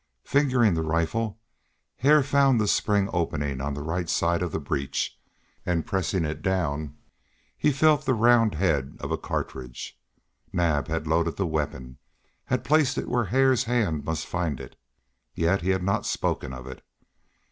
Fingering the rifle Hare found the spring opening on the right side of the breech, and, pressing it down, he felt the round head of a cartridge. Naab had loaded the weapon, he had placed it where Hare's hand must find it, yet he had not spoken of it.